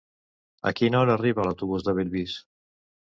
A quina hora arriba l'autobús de Bellvís?